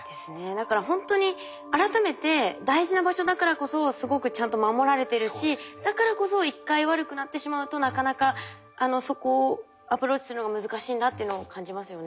だからほんとに改めて大事な場所だからこそすごくちゃんと守られてるしだからこそ一回悪くなってしまうとなかなかそこをアプローチするのが難しいんだっていうのを感じますよね。